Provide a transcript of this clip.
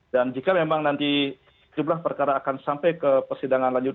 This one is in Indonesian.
dan jika memang nanti jumlah perkara akan sampai ke persidangan lanjutnya